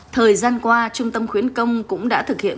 thời gian qua trung tâm khuyến công cũng đã thực hiện